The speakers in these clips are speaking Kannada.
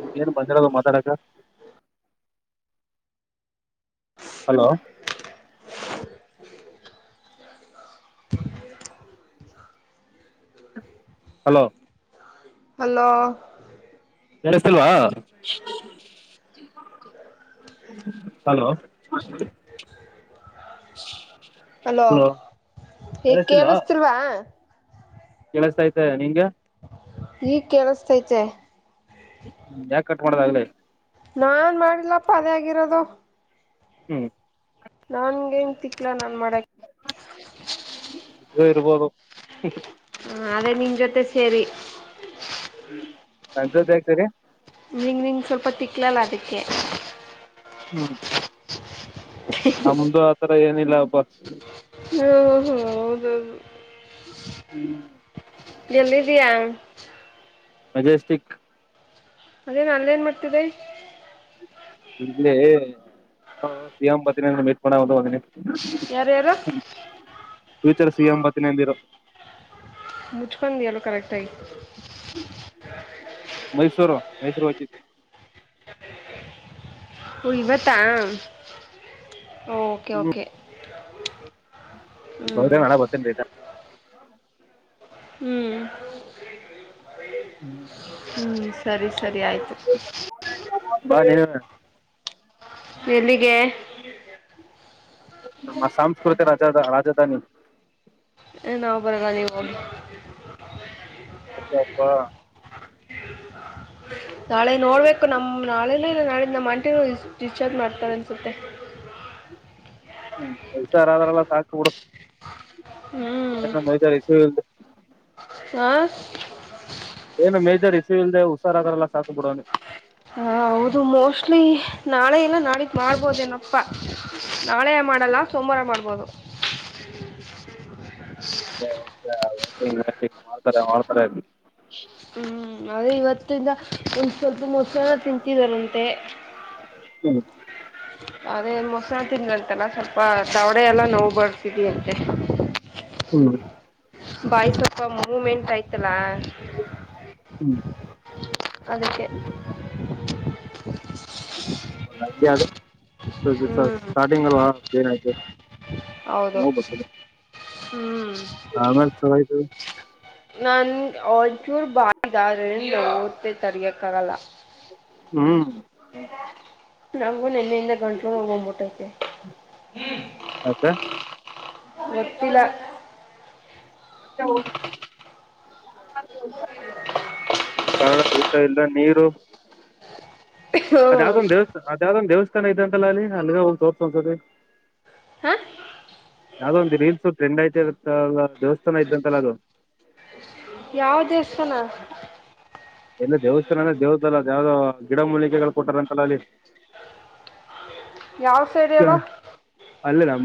ನಿ ಏನ್ ಬಂದಿರದು ಮಾತಾಡಕ್ಕ ಹಲೋ ಹಲೋ ಹಲೋ ಕೇಳಸ್ತಿಲ್ವಾ ಹಲೋ ಹಲೋ ಈ ಕೇಳಸ್ತಿಲ್ವಾ ಕೇಳುಸ್ತಾ ಆಯ್ತ ನಿಂಗೆ ಈಗ ಕೇಳಸ್ತೈತೆ ಹ್ಮ ಯಾಕ ಕಟ್ ಮಾಡದ ಆಗ್ಲೇ ನಾನ್ ಮಾಡಿಲ್ಲಪ್ಪ ಅದೇ ಆಗಿರೋದು ಹ್ಮ್ ನನ್ಗೆ ನ್ ತಿಕ್ಲಾ ನನ್ ಮಾಡಕ ಅದು ಇರಬಹುದು ಹ ಅದೇ ನಿನ್ ಜೊತೆ ಸೇರಿ [unintelligible] ನಿಂಗ ನಿಂಗೆ ಸ್ವಲ್ಪ ತಿಕ್ಲಲ್ಲ ಅದಕ್ಕೆ ಹ್ಮ್ ನಮ್ದು ಆತರ ಏನಿಲ್ಲ ಬಾ‌ಸ್ ಹಾ ಹೋ ಹೌದೌದು ಎಲ್ದಿದಿಯಾ ಮಜೆಸ್ಟಿಕ್ ಅದೇನ ಅಲ್ಲೇನ್ ಮಾಡ್ತಿದ್ದೆ ಇಡ್ಲಿ ಯಾರೋ ಸಿ ಎಂ ಬತಿನ ಮೀಟ್ ಮಾಡ ಒಂದ ಬಂದಿನಿ ಯಾರು ಯಾರು ಫ್ಯೂಚರ್ ಸಿ ಎಂಬಿನಂದಿರ ಮುಚ್ಚುಕೊೊಂಡ ದ ಅಲ್ಲ ಕರೆಕ್ಟಯ ಮೈಸೂರು ಮೈಸೂರು ಹೋಯ್ತೀನಿ ಇವತ್ತಾ ಓಕೆ ಕೆ ಗೌ ನಡ ಬತ್ತನ್ ರತಾ ಹ್ಮ್ ಹ್ಮ್ ಹ್ಮ್ ಸರಿ ಸರಿ ಆಯ್ತು ಬಾ ನೀನುವೇ ಎಲ್ಲಿಗೆ ನಮ್ಮ ಸಾಂಸ್ಕೃತಿ ರಾಜ ರಾಜಧಾನಿ ಹ ನಾವು ಬರಲ್ಲ ನೀ ಹೋಗಿ ಅ ಅಪ್ಪಾ ಹ್ಮ ನಾಳೆ ನೋಡ್ಬೇಕು ನಮ್ಮ ನಾಳೆನ ಇಲ್ಲ ನಾಳೆ ನಮ್ಮ ಅಂಟಿೂ ಡಿಸ್ಚಾರ್ಜ್ ಮಾಡ್ತಾರೆ ಅನ್ಸುತ್ತೆ ಹಾ ಹ್ಮ ಹುಷಾರಾದ್ರಲ್ಲ ಸಾಕು ಬಿಡು ಹ್ಮ್ ಏನ ಮ್ದಾರೆ ಸಿಲ್ ಆ ಏನು ಮೇಜರ್ ಇಸೂ ಇಲ್ದೆ ಹುಷಾರಾಗಲ್ಲ ಸಾಕು ಬಿಡೋವನಿ ಹಾ ಹೌದು ಮೋಸ್ಟ್ಲಿ ನಾಳೆ ಇಲ್ಲ ನಾಳಿದ್ದ ಮಾಡ್ಬೋದೇನಪ್ಪಾ ನಾಳೆ ಮಾಡಲ್ಲ ಸೋಮವಾರ ಮಾಡ್ಬೋದು ವಟಿಂಗ್ ವಿಂಗ್ ಮಾಡ್ತಾರೆ ಮಾಡ್ತಾರೆ ಹ್ಮ್ ಅೇ ಇವತ್ತಿಂದ ಒಂದ್ ಸ್ವಲ್ಪ ಮೊಸಾರ ತಿಂತಿದಾರಂತೆ ಹ್ಮ ಅದೇ ಮೊಸಳ ತಿನ್ಂತಲ್ಲ ಸ್ವಲ್ಪ ತವಡೆ ಎಲ್ಲ ನೋವು ಬರ್ತಿದಿ ಅಂತೆ ಹ್ಮ್ ಬಾಯ್ಸಪ್ಪ ಮೂವೆಂಟ್ ಆಯ್ತಲ ಹ್ಮ್ ಅದಕ್ಕೆ ನಗೆ ಅ ಹ್ಮ್ ಸ್ಟಾರ್ಟಿಂಗ್ ಅಲ್ಲಿ ಏನಾಯ್ತು ಹೌದು ಹ್ಮ್ ಆಮೇಲೆ ಚಲೋ ಆಯ್ತು ನನ್ ಒಂಚೂರು ಬ ರಂಡ ತ್ತೆ ತರೆಯೋಕ್ಕಾಗಲ್ಲ ಹ್ಮ್ ನಗನ ಎನ ಹಿಂದ ಗಂಟ್ಲ ಹೋಗೋಗ್ಬಿಟ್ಟೈತೆ ಯಾಕೆ ಎೆಪ್ಪಿಲ್ಲ ಹ ಹದು ಕಾಳ ಊಟ ಇಲ್ಲ ನೀರು ಅದ ಯಾವ್ದ ಒಂದ ದೇವಸ್ಥಾ ಅದ ಯಾವ್ದ ಒ್ ದೇವಸ್ಥಾನ ಇದೆ ಅಂತಲ್ಲ ಅಲ್ಲಿ ಅಲ್ಲಿಗೆ ಹೋಗ ತೋರ್ ಒಂದಸತಿ ಹಾ ಅದ ಒಂದು ರೀಲ್ಸ್ ಟ್ರೆಂಡ್ ಐತ ದೇವಸ್ಥಾನ ಇದ್ದಂತೆಲ್ಲ ಅದು ಯಾವ ದೇವಸ್ಥಾನ ಎಲ್ಲ ದೇವಸ್ಥಾನ ಅಂದ್ರೆ ದೇವ್ದ ಅಲ್ಲ ಯಾವ್ದೋ ಗಿಡ ಮೂಲಿಕೆಗಳು ಕೊಟ್ಟಾರ ಅಂತಲ್ಲ ಅಲ್ಲಿ ಯಾವ ಸೇರಿಯಲ್ಲ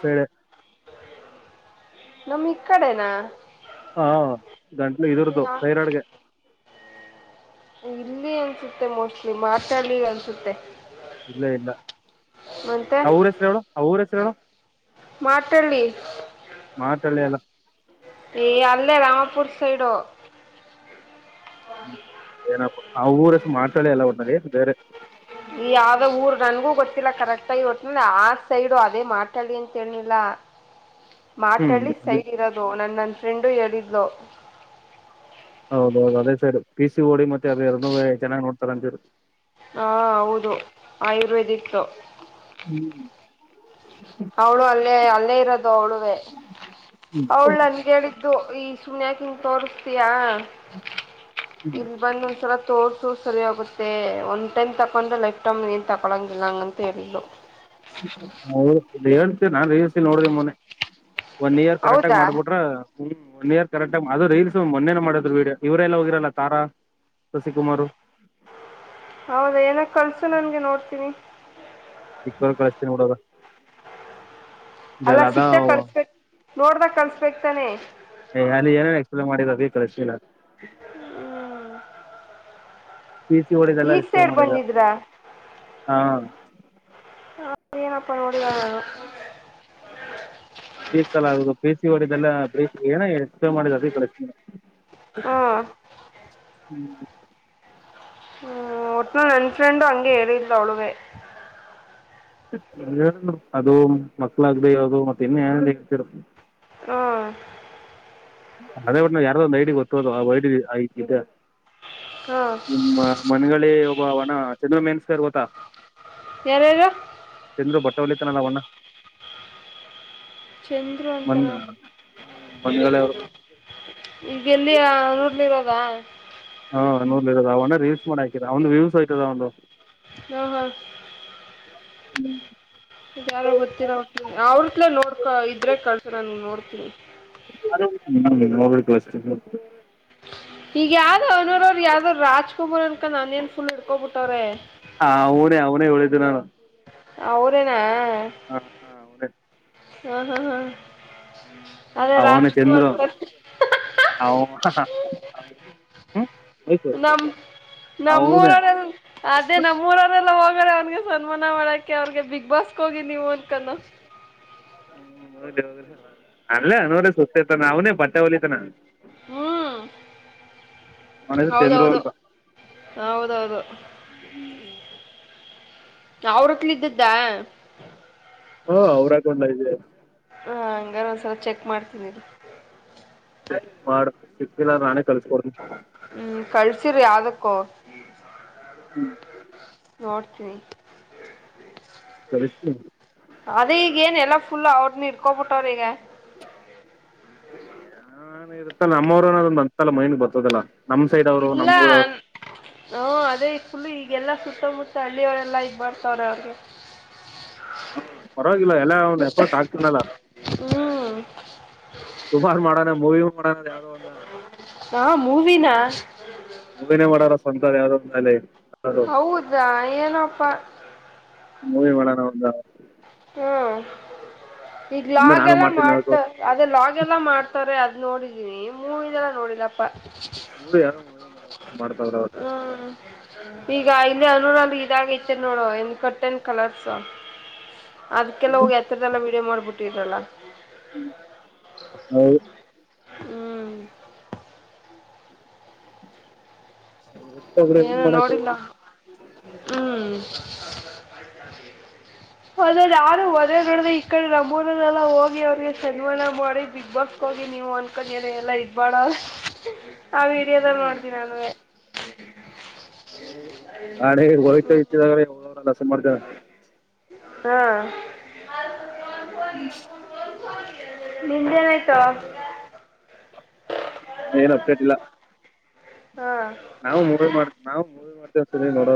ಸ ನಮ್ ಇ ಕಡೆನಾ ಹಾ ಗಂಟ್ಲು ಇದರದು ಸೈರಾಡ್ಗೆ ಇಲ್ಲಿ ಅನ್ಸುತ್ತೆ ಮೋಸ್ಟ್ಲಿ ಮಾತಾಲಿ ಅನ್ಸುತ್ತೆ ಇಲ್ಲ ಇಲ್ಲ ಮತ್ತೆ ಅವ್ರ ಹೆಸರುಗಳುು ಅವ್ರ ಹೆಸರುಗಳುು ಮಾತಳ್ಳಿ ಮಾತಾಡ್ಲೆ ಅಲ್ಲ ಅಲ್ಲೇ ರಾಮಪುರ್ ಸೈಡ ಅವ ಊರಷ್ಟು ಮಾತಾಳ ಎಲ್ಲ ಒಟದ ಬೇರೆ ಯಾವ್ದ ಊರ್ ನನ್ಗೂ ಗೊತ್ತಿಲ್ಲ ಕರೆಕ್ಟ್ ಆಗಿ ಒಟ್ಟ ಆ ಸೈಡು ಅದೇ ಮಾತಾಡಿ ಅಂತನಿಲ್ಲ ಹ್ಮ್ ಮಾತಾಳ್ಳಿ ಸೈ ಅದೇ ಇರೋದು ನನ್ನ ನನ್ನ ಫ್ರೆಂಡು ಹೇಳಿದ್ಲು ಹೌದೌದು ಅದೇ ಸೈಡ್ ಪ ಸಿ ಓಡಿ ಮತ್ತೆ ಅ್ರ ಎರನ ಚೆನ್ನ್ ನೋಡ್ತಾರಂತವ್ರು ಹಾ ಹೌದು ಆಯುರ್ವೇದಿಕ್ ಹ್ಮ್ ಅವಳು ಅಲ್ಲೇ ಅಲ್ಲೇ ಇರೋದು ಅವಳುವೇ ಅವಳು ನನ್ಗೆ ಹೇಳಿದ್ದ ಇ ಈ ಸುನ್ಕಂಗ ತೋಸ್ತಯಾ ಇಲ್ಲಿ ಬಂದೊಂದ್ಸಲ ತೋರ್ ಸರಿಯಾಗೋಗುತ್ತ ಒಂದು ಟೈಮ್ ತಗೊಂಡ್ರೆ ಲೈಫ್ ಟೈಮ್ ಏನ್ ತೊಳಂಗಿಲ್ಲ ಹಂಗಂತ ಹೇಳಿದ್ಲು ಹ ನ್ಸ ನಾು ತ ನೋಡ್ದಿ ಮೊನ್ನೆ ಒನ್ ಇಯರ್ ಕರೆಕ್ಟ್ ಆ ಹೌದಾ ಮಾಡ್ಬಿಟ್ರ ಹ್ಮ್ ಒನ್ ಇಯರ್ ಕರೆಕ್ಟ್ಟಗ್ ಅದು ರಲ್ಸ್ ಮೊನ ಮಾಡಿದ್ರು ವೀಡೋ ಇವ್ರರೆಲ್ಲ ಹೋಗಿರಲ್ಲಾರಾ ಶಶಿ ಕುಮಾರ ಹೌದ ಏನ ಕಳ್ಸು ನನ್ಗೆ ನೋಡ್ತೀನಿ ಚಿಕ್ಕವಾಗ ಕಳಸ್ತೀ ನೋಡದ ಅಲ್ಲಾ ಸಿಕ್ತ ಕಳ್ಸ್ಬೇಕ ನೋಡ್ದ ಕಳ್ಸ್ಬೇಕಕ್ ತಾನೆ ಏ ಅಲ್ಲಿ ಏನೇನ್ ಎಕ್ಸ್ಪ್ಲೇನ್ ಮಾಡಿದ ಬೇಕಷ್ಟನ ಪ ಸಿ ಹೊಡಿದೆಲ್ಲ ಈ ಸೈಡ್ ಮಾಡಿದ ಬಂದಿದ್ರಾ ಹಾ ಹ ಏನಪ್ಪ ನೋಡಿದು ಬೀಲ್ಲದು ಬ ಸಿ ಒಡಿದ್ದಲ್ಲ ಬೀಚ್ ಏನಪೇ ಮಾಡ ಅದ ಹ್ಮ್ ಹ್ಮ್ ಹ್ಮ್ ಒಟ್ನಾ ನನ್ ಫ್ರೆಂಡು ಹಂಗೆ ಹೇಳಿಲ್ಲಿಲ್ಲ ಒಳಗೆ ಅದು ಮಕ್ಳಗ್ದ ಯಾವ್ದದು ಮತ್ತ ಇನ್ನು ಹೇಳ್ತಿರ ಹಾ ಅದೇ ಬಿಟ್ಟ ನ್ ಯಾರದ ಒಂದ್ ಐಡಿಿಗೆ ಗೊತ್ತೋದು ಆ ಐಐಿದ್ದ ಹ್ಮ್ ನಿಮ್ಮ ಮನಗಳಿ ಒಬ್ಬ ಒಣ ಚಂದ್ರ ಮೆನ್ಸ್ಕರ್ ಗೊತ್ತಾ ಯಾರಾರು ಸೌಲಿತನಲ್ಲ ಅವಣ್ಣ ಚಂದ್ರು ಮನ್ ಅಂತಾರೆ ಮನ್ಗಳಿ ಅವರು ಈಗ ಎಲ್ಲಿ ಊರ್ಲ್ಲಿ ಇರೋದ ಹಾ ನೂರ್ ಇರದ ಅವಣೆ ರೀಲ್ಸ್ ಮಾಡ ಹಾಕಿದ ಅವ ಒಂದು ವ್ಯವ್ಸ್ ಆಯತದ ಒಂದು ಹ ಹಾ ಹ್ಮ್ ಯಾರೋ ಗೊತ್ತಿರ ಅವ್ರತ್ಲೇ ನೋಡ್ಕ ಇದ್ರೆ ಕಳ್ಸ ನನ್ ನೋಡ್ತೀನಿ ಷ್ಟ ಈಗ ಯ ಅ ಅನೋರ ಅವ್ರರು ಯಾವ್ದ್ ರಾಜ್ಕುಮಾರ್ ಅನ್ಕೊಂಡ ನಾನ ಏನ್ ಫುಲ್ ಇಡ್ಕೋಬಿಟ್ಟವ್ರೆ ಎ ಅವರೇನಾ ಹಾ ಹನ ಹಾ ಹಾ ಹಾ ಅದೇ ರಾಜ್ಕುಮಾರ್ ಹ ನಮ ಅವನು ನಮ್ಮೂಊರ ಅದೇ ನಮ್ಮೂಊರೋಡೆಲ್ಲ ಹೋಗ ಅವನ್ಗೆ ಸನ್ಮಾನ ಮಾಡಕೆ ಅವ್ರಿಗೆ ಬಿಗ್ ಬಾಸ್ಗೆ ಹೋಗಿ ನೀವು ಅಂದಕನ ಹೌದ ಅಲ್ಲ ಅನೋರ ಸುಸ್ತತ ನನೇ ಬಟ್ಟೆ ಹೊಲಿತನ ಹ್ಮ್ ಅವನ ಹೆಸರು ಚಂದ್ರು ಹೌದೌದು ಅಂತ ಹೌದೌದು ಅವ್ರ ಹೋಟೆಲ್ ಇದ್ದಿದ್ದ ಹಾ ಅವ್ರಗೊಂಡ ಇದೆ [unintelligible] ಒಂದ್ಸಲ ಚೆಕ್ ಮಾಡ್ತೀನಿ ಮಾಡ ಸಿಗ್ತಿಲ್ಲ ನಾನೇ ಕಲ್ಸ್ಕೊಡ ಸರಿ ಅದಕ್ಕೋ ಹ್ಮ್ ನೋಡ್ತನಿ ಕಲಿಸ್ತೀನಿ ಅದೇ ಈಗ ಏನ್ ಎಲ್ಲಾ ಫುಲ್ ಅವ್ರನ ಇಡ್ಕೊಬಿಟ್ಟವ್ರ ಈಗ ನಾ ಇರುತ್ತಲ್ಲ ನಮ್ಮವರುಏನದನ್ ಬಂತಲ್ಲ ಮೈನ್ಗೆ ಬರ್ತದಲ್ಲ ನಮ್ ಸೈಡ್ ಅವರು ಇಲ್ಲ ನಮ್ಮೂರವ್ರು ನಾ ಅದೇ ಫುಲ್ ಈ ಎಲ್ಲ ಸುತ್ತಮುತ್ತ ಹಳ್ಳಿಯವರೆಲ್ಲ ಈಗ ಬರ್ತವ್ರೆ ಅವ್ರಿಗೆ ಹಾ ಪರವಾಗಿಲ್ಲ ಎಲ್ಲ ಅವನ್ ಎಫರ್ಟ್ ಆಗ್ತನಲ್ಲ ಹ್ಮ್ ಸುಮಾರು ಮಾಡೋಣ ಮೂವಿ ಮಾಡಣದ ಯಾವ್ದೋ ಒಂದ ಮೂವಿನ ಮುಗನೇ ಮಾಡೋರ ಸವಂತ ಯಾವ್ದೊಂದಾಲ ಇಲ್ಲಿ ಹೌದಾ ಏನಪ್ಪ ಮೂವಿ ಮಾಡಳಾನ ಒಂದ ಹ್ಮ ಈಗ್ ಮುಂದೆ ಲಾಗ್ ನಾನು ಎಲ್ಲ ಮಾಡ್ತೀನಿ ಮಾಡ್ತ ನೋಡ್ಕೊ ಅದೇ ಲಾಗ್ ಎಲ್ಲ ಮಾಡ್ತ್ರ ಅದ ನೋಡಿದೀನಿ ಮೂವದೆಲ್ಲ ನೋಡಿಲ್ಲಪ್ಪ ಮೂರ ಯಾರೋ ಮಾಡ ಮಾಡ್ತಾವ್ರ ಅವ ಹ್ಮ್ ಈಗ ಇಲ್ಲಿ ಅನುೂರ್ಲ್ಲಿ ಇದಾಗೈತೆ ನೋಡುವ ಎನ್ ಕಟ್ಟನ್ ಕಲರ್ಸ ಅದಕ್ಕೆಲ್ಲ ಹ್ಮ್ ಹೋಗಿ ಎತ್ತದೆಲ್ಲ ವೀಡಿಯೋ ಮಾಡ್ಬಿಟ್ಟಿದ್ರಲ್ಲ ಹ್ಮ ಹೌದು ಹ್ಮ್ ಒಬ್ಬೊಬ್ರು ಏನ್ ಏನು ಮಾಡಕ್ ನೋಡಿಲ್ಲ ಆಗಲ್ಲ. ಹ್ಮ್ ಅದ ಯಾರು ಒದ ನಡ ಈ ಕಡೆ ನಮೋನನೆೆಲ್ಲ ಹೋಗಿ ಅವ್ರಿಗೆ ಸನ್ಮಾನ ಮಾಡಿ ಬಿಗ್ ಬಾಸ್ ಹೋಗಿ ನೀವು ಅಂದ್ಕೊಂಡಿಯನೆ ಎಲ್ಲ ಇಬಾಡ ಆ ವೀಡಿಯೋದಲ್ಲಿ ನೋಡ್ತೀನ ಹ್ಮ್ ನಾನೇ ಗಾಡಿ ಹೋಯ್ತಾ ಇಚ್ಚಿದಾಗ್ರೆ ಹವರೆಲ್ಲ ಸಮರ್ ಹಾ ಹ್ಮ್ ನಿಂದು ಏನ ಆಯ್ತಾ ಏನ್ ಅಪ್ಡೇಟ್ ಇಲ್ಲ ಹಾ ನಾವು ಮೂವಿ ಮಾಡ ನಾವು ಮೂವಿ ಮಾಡವಿ ಸರಿ ನೋಡ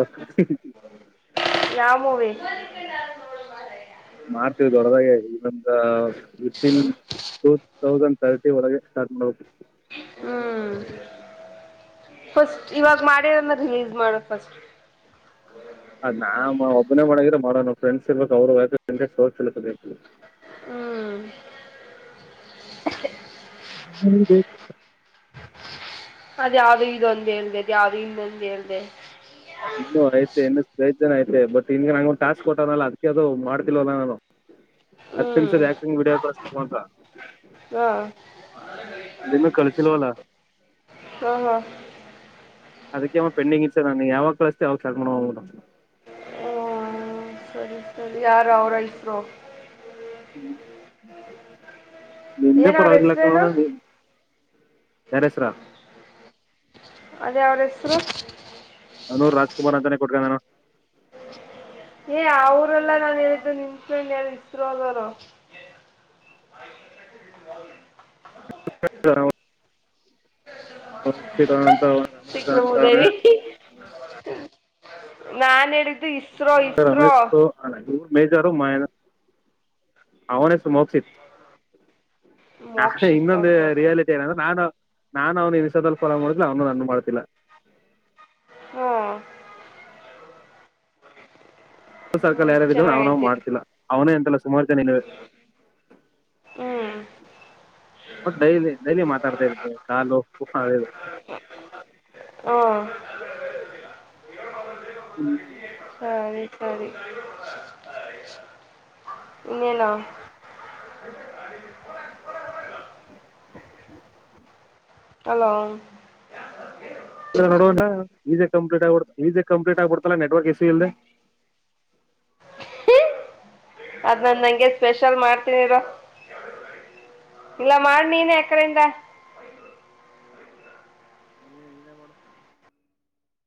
ಯಾವ ಮೂವಿ ವಿನ್ ಟ ತೌಸಂಡ್ ತರ್ಟಿ ವರೆಗೆ ಸ್ಟಾರ್ಟ್ ಮಾಡು ಹ್ಮ್ ಫಸ್ಟ್ ಇವಾಗ ಮಾಡ್ಯಾರನ್ನ ರಿಲೀಸ್ ಮಾಡ ಫಸ್ಟ್ ಅದ ನಾ ಒಬ್ಬನೇ ಮಾಡಿದ್ರ ಮಾರೋ ನ ಫ್ರೆಂಡ್ಸ್ರ್ಬೇಕಕ್ ಅವರುಯ್ ಇಂಟ ಹೋ ಕೆಲಸದ ಹ ಹ್ಮ್ [unintelligible] ಅದ ಯಾವ ಇದುೊಂದು ಹೇಳ್ದ ಅದ ಯಾವ್ದ ಇದೊಂದು ಹೇಳಿದೆ ಇನ್ನು ಐ್ತೆ ಇನ್ನು ಸ್ ಜನ ಐತೆ ಬಟ್ಗೆ ನಂಗೊಂದು ಟಾಸ್ಕ್ ಕೊಟ್ಟನಲ್ಲ ಅದ್ ಅದು ಮಾಡ್ತಿಲ್ವದ ನಾನು ಹತ್ ಹ್ಮ್ ನಿಮಿಷ ಆಕ್ಟಿಂಗ್ ವೀಡಿಯೋಮ ಹಾ ಅದು ಇನು ಕಳಿಸಿಲ್ಲವಲ್ಲ ಹಾಂ ಅದಕ್ಕೆಮ್ಮ ಪೆಂಡಿಂಗ್ ಇ ಸರ್ ನನ್ ಯಾವಾಗ ಕಳಸ್ತ ಯಾವಾಗ ಸ ಮಾಡೋೋ ಹ್ಮ ಸರಿ ಸರಿ ಯಾರ ಅವ್ರ ಇಸ್ರೋ ಹ್ಮ ನಿಂದ ಏನು ಅವ್ರ ಪರಾವಲಕ್ಕ ಹೆಸ್ರೇನು ಯಾರ ಹೆಸರಾ ಅದ ಅವಾವರ ಹೆಸರು ನಾನೂ ರಾಜ್ಕುಮಾರ್ ಅಂತಾನೇ ಕೊಟ್ಕ ನಾನು ಏ ಅವರೆಲ್ಲಾ ನಾನು ಹೇಳಿದ್ದು ನಿಂತ್ ಎ ಇಸ್ರೋ ಅದವರು [inaudible] ಸಿಕ್ಲು [unintelligible] ನಾನ್ ಹೇಳಿದ್ದು ಇಸ್ರೋ ಇಸ್ರೋ [unintelligible] ಅವ್ನ್ ಹೆಸ್ರು ಮೋಕ್ಷಿತ್ ನಾ ಮೋಕ್ಷಿತ್ ಇನ್ನೊಂದು ಓಕೆ ಓಕೆ ರಿಯಾಲಿಟಿ ಏನ ಅಂದ್ರೆ ನಾನು ನಾ ಅವನ ಇನ್ಸ್ಟಾದಲ್ಲಿ ಫೋಲೋ ಮಾಡುದಿಲ್ಲ ಅವನು ನನ್ನ ಮಾಡ್ತಿಲ್ಲ ಹೂ ಸರ್ಕಲ್ ಹ್ಞೂ ಯಾರ ಇದ ಅವ್ನ್ ಚೆನ್ನಾಗೈತೆ ಇದು ಮಾಡ್ತಿಲ್ಲ ಅವನೇ ಎಂತ [unintelligible] ಹ್ಞೂ ಬಟ್ ಡೈಲಿ ಡೈಲಿ ಮಾತಾಡ್ತಾ ಇರ್ತೀವಿ ಕಾಲು ಅದು ಹೂ ಹ್ಮ್ ಸರಿ ಸರಿ ಇನೇನು ಹಲೋ [unintelligible] ಕಂಪ್ಲೀಟ್ ಆಗ್ಬಡ್ತಲ್ಲಾ ನೆಟ್ವರ್ಕ್ ಇಶ್ಯೂ ಇಲ್ದೆ [inaudible] ಅದ್ನ ನಂಗೆ ಸ್ಪೆಷಲ್ ಮಾಡ್ತೀನಿರು ಇಲ್ಲ ಮಾಡ ನೀನ್ ಆ ಕಡೆ ಇಂದ [unintelligible]